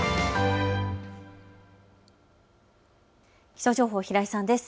気象情報、平井さんです。